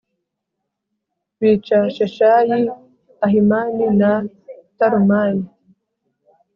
bica Sheshayi, Ahimani na Talumayi.